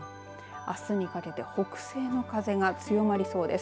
あすにかけて北西の風が強まりそうです。